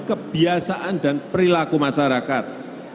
kebiasaan dan perilaku masyarakat